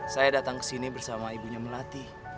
saya datang kesini bersama ibunya melati